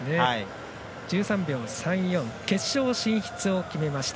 １３秒３４決勝進出を決めました。